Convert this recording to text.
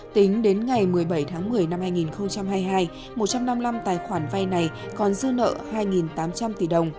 tính đến ngày một mươi bảy tháng một mươi năm hai nghìn hai mươi hai một trăm năm mươi năm tài khoản vay này còn dư nợ hai tám trăm linh tỷ đồng